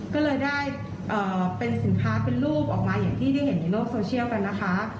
ก็เลยได้เป็นสินค้าเป็นรูปออกมาอย่างที่ได้เห็นในโลกโซเชียลกันนะคะ